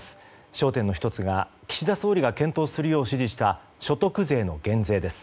焦点の１つが岸田総理が検討するよう指示した所得税の減税です。